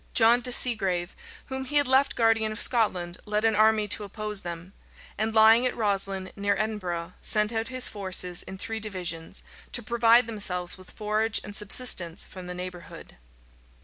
John de Segrave, whom he had left guardian of Scotland, led an army to oppose them; and lying at Roslin, near Edinburgh, sent out his forces in three divisions, to provide themselves with forage and subsistence from the neighborhood.